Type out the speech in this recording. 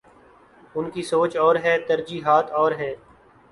ان کی سوچ اور ہے، ترجیحات اور ہیں۔